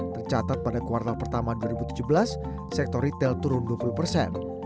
tercatat pada kuartal pertama dua ribu tujuh belas sektor retail turun dua puluh persen